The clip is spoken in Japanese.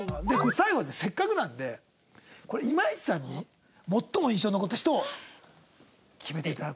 最後はせっかくなんでこれ今市さんに最も印象に残った人を決めて頂こうと。